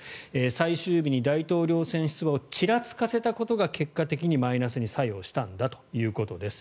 最終日に大統領選出馬をちらつかせたことが結果的にマイナスに作用したんだということです。